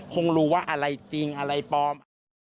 คงรู้ว่าอะไรจริงอะไรปลอมอะไร